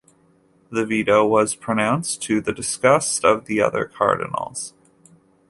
The veto was pronounced to the disgust of the other cardinals.